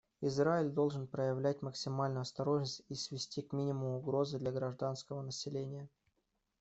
Израиль должен проявлять максимальную осторожность и свести к минимуму угрозы для гражданского населения.